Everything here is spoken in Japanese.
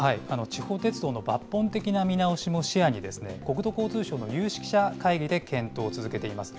地方鉄道の抜本的な見直しも視野に、国土交通省の有識者会議で検討を続けています。